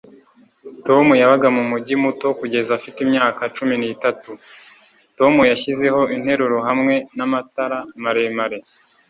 Tom yabaga mu mujyi muto kugeza afite imyaka cumi n'itatu. Tom yashyizeho interuro hamwe n'amatara maremare.